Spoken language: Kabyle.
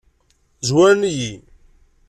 Zwaren-iyi.